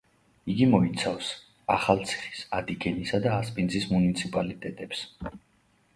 იგი მოიცავს: ახალციხის, ადიგენისა და ასპინძის მუნიციპალიტეტებს.